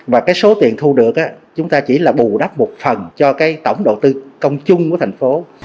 và cái số tiền thu được chúng ta chỉ là bù đắp một phần cho cái tổng đầu tư công chung của thành phố